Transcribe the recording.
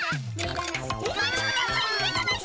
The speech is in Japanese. お待ちください